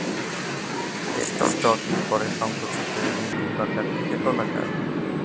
এটি স্টকি, পরে সংকুচিত এবং ডিম্বাকার থেকে গোলাকার।